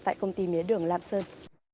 tại công ty mía đường lam sơn